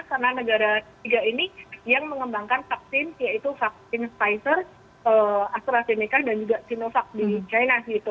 karena negara tiga ini yang mengembangkan vaksin yaitu vaksin pfizer astrazeneca dan juga sinovac di china